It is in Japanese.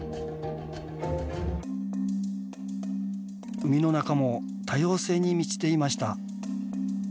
海の中も多様性に満ちていました。